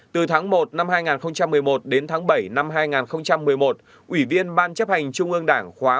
từ tháng một năm hai nghìn một mươi một đến tháng bảy năm hai nghìn một mươi một ủy viên ban chấp hành trung ương đảng khóa một mươi hai